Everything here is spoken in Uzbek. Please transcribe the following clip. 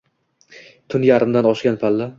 Tun yarimdan oshgan palla.